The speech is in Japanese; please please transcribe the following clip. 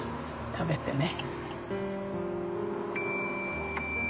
食べてね。